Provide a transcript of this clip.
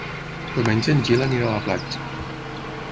Diumenge en Gil anirà a la platja.